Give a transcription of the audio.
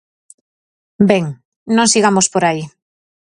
Ben, non sigamos por aí.